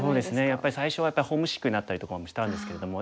やっぱり最初はホームシックになったりとかもしたんですけれども。